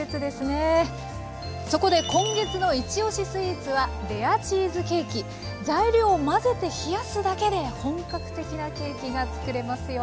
そこで今月の「いちおしスイーツ」は材料を混ぜて冷やすだけで本格的なケーキが作れますよ。